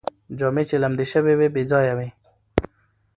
جامې چې لمدې شوې وې، بې ځایه وې